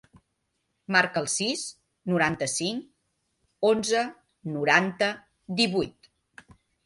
Marca el sis, noranta-cinc, onze, noranta, divuit.